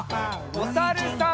おさるさん。